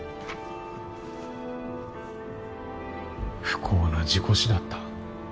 不幸な事故死だった。